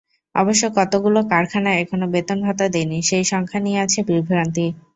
অবশ্য কতগুলো কারখানা এখনো বেতন-ভাতা দেয়নি, সেই সংখ্যা নিয়ে আছে বিভ্রান্তি।